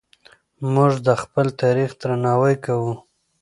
موږ د خپل تاریخ درناوی کوو.